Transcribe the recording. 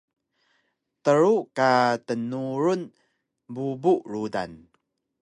Tru ka dnurun bubu rudan